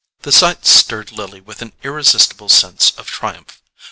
The sight stirred Lily with an irresistible sense of triumph.